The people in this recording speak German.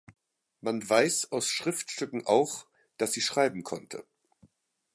Man weiß aus Schriftstücken auch, dass sie schreiben konnte.